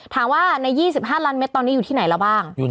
ถามว่าใน๒๕ล้านเมตรตอนนี้อยู่ที่ไหนแล้วบ้าง